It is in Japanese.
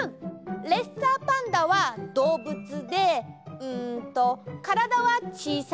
レッサーパンダはどうぶつでうんとからだはちいさい。